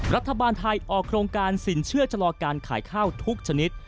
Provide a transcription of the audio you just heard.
รัฐบาลไทยออกโครงการสินเชื่อชะลอการขายข้าวทุกชนิด